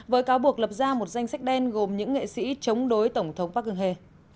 với cáo buộc lập ra một danh sách đen gồm những nghệ sĩ chống đối tổng thống park geun hye